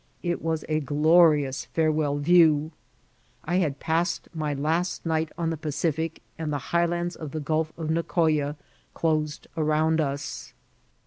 It was a glorious farewell view. I had passed my last night on the Pacific, and the highlands of the Gulf of Nicoya closed around us.